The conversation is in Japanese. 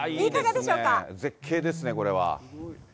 絶景ですね、これは。